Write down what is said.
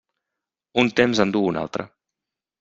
Un temps en du un altre.